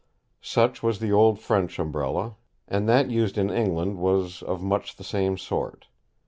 Such was the old French Umbrella, and that used in England was of much the same sort.